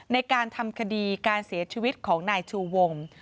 ในการทำคดีการเสียชีวิตของนายชูวง